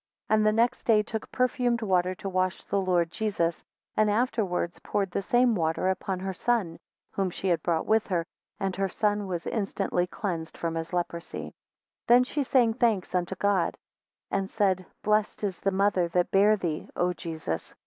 34 And the next day took perfumed water to wash the Lord Jesus, and afterwards poured the same water upon her son, whom she had brought with her, and her son was instantly cleansed from his leprosy, 35 Then she sang thanks and unto God, and said, Blessed is the mother that bare thee, O Jesus!